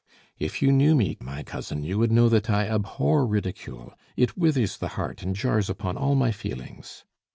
"If you knew me, my cousin, you would know that I abhor ridicule; it withers the heart and jars upon all my feelings."